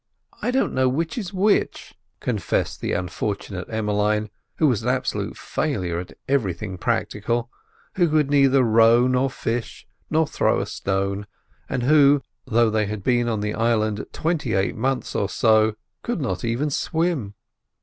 "I don't know which is which," confessed the unfortunate Emmeline, who was an absolute failure at everything practical: who could neither row nor fish, nor throw a stone, and who, though they had now been on the island twenty eight months or so, could not even swim.